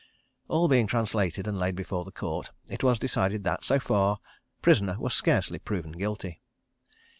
All being translated and laid before the Court, it was decided that, so far, prisoner was scarcely proven guilty.